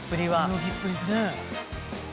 泳ぎっぷりね。